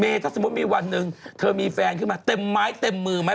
ถ้าสมมุติมีวันหนึ่งเธอมีแฟนขึ้นมาเต็มไม้เต็มมือไหม